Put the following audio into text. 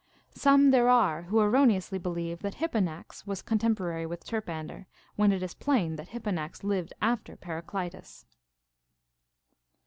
Some there are who erroneously believe that Hipponax was contemporary with Terpander, when it is plain that Hipponax lived after Periclitus.